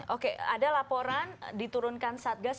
oke ada laporan diturunkan satgas